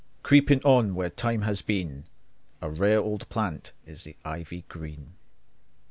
Creeping where no life is seen, A rare old plant is the ivy green.